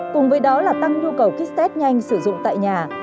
cùng với đó là tăng nhu cầu kit test nhanh sử dụng tại nhà